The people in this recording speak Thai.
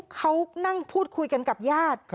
เขานั่งพูดคุยกันกับญาติ